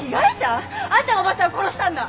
あんたがおばちゃんを殺したんだ！